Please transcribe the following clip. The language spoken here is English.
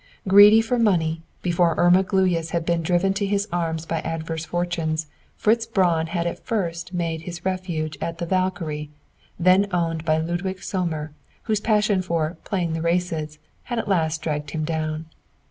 Greedy for money, before Irma Gluyas had been driven to his arms by adverse fortunes, Fritz Braun had at first made his refuge at the "Valkyrie," then owned by Ludwig Sohmer, whose passion for "playing the races" had at last dragged him down.